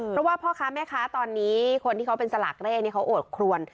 เพราะว่าพ่อค้าแม่ค้าตอนนี้คนที่เขาเป็นสลากเร่นี่เขาโอดครวน